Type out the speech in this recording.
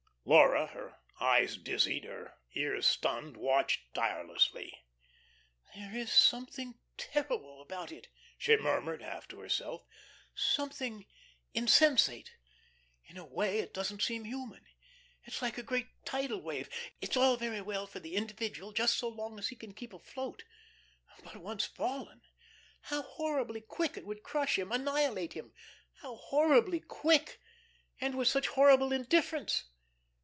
Laura, her eyes dizzied, her ears stunned, watched tirelessly. "There is something terrible about it," she murmured, half to herself, "something insensate. In a way, it doesn't seem human. It's like a great tidal wave. It's all very well for the individual just so long as he can keep afloat, but once fallen, how horribly quick it would crush him, annihilate him, how horribly quick, and with such horrible indifference!